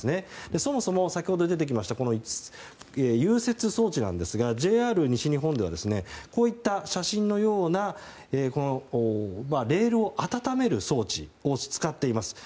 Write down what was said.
そもそも、先ほど出てきました融雪装置なんですがＪＲ西日本ではこういった写真のようなレールを温める装置を使っています。